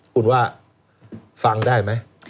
คุณว่าฟังได้ไหม